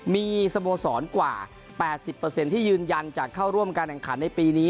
มีสโมสรกว่า๘๐ที่ยืนยันจะเข้าร่วมการแข่งขันในปีนี้